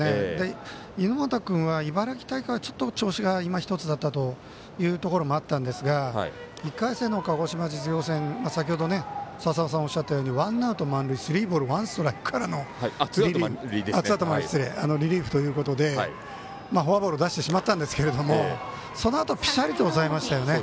猪俣君は、茨城大会は調子がいまひとつだったというところもあったんですが１回戦の鹿児島実業戦先ほどおっしゃったようにツーアウト満塁からのリリーフということでフォアボールを出してしまったんですけどそのあとぴしゃりと抑えましたよね。